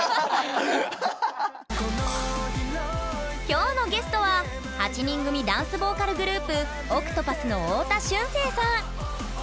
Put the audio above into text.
きょうのゲストは８人組ダンスボーカルグループＯＣＴＰＡＴＨの太田駿静さん！